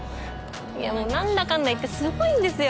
いやもう何だかんだいってすごいんですよ